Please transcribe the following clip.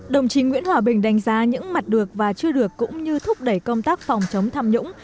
đồng chí nguyễn hòa bình đánh giá những mặt được và chưa được cũng như thúc đẩy công tác phòng chống tham nhũng